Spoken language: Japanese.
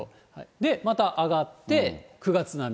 で、また上がって、９月並み。